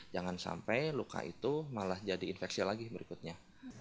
jangan sampai luka itu malah jadi infeksi lagi berikutnya